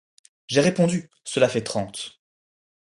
J’ai répondu: Cela fait trente.